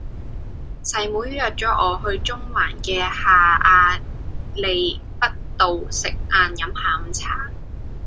細妹約左我去中環嘅下亞厘畢道食晏飲下午茶